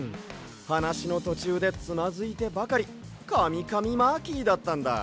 はなしのとちゅうでつまずいてばかりカミカミマーキーだったんだ。